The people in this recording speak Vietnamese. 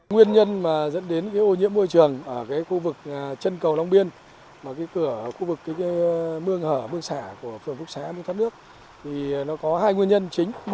nguyên nhân dẫn đến ô nhiễm môi trường ở khu vực trần cầu long biên khu vực mương hở mương xã của phường phúc xá mương tháp nước có hai nguyên nhân chính